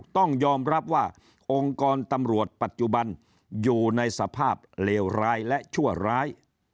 ต้องยอมรับว่าองค์กรตำรวจปัจจุบันอยู่ในสภาพเลวร้ายและชั่วร้าย